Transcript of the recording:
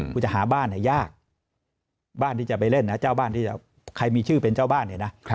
คุณจะหาบ้านให้ยากบ้านที่จะไปเล่นนะเจ้าบ้านที่ใครมีชื่อเป็นเจ้าบ้านเนี่ยนะ